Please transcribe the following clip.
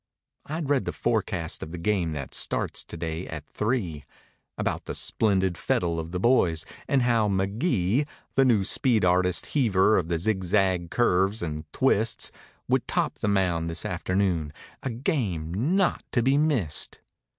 I'd read the forecast of the game that starts today at three; About the splendid fettle of the boys; and how McGee, The new speed artist heaver of the zigzag curves and twists, Would top the mound this afternoon—a game not to be missed.